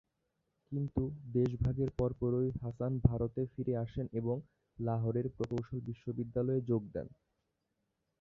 কিন্তু দেশভাগের পরপরই হাসান ভারতে ফিরে আসেন এবং লাহোরের প্রকৌশল বিশ্ববিদ্যালয়ে যোগ দেন।